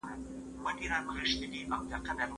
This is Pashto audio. نیوکلاسیکانو د اقتصادي ودي بله توضيح وړاندي کړه.